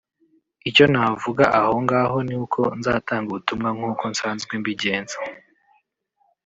icyo navuga aho ngaho ni uko nzatanga ubutumwa nk’uko nsanzwe mbigenza